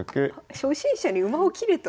初心者に馬を切れと？